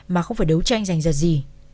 mà không phải đấu tranh dành ra gì